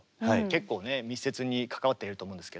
結構ね密接に関わってると思うんですけど。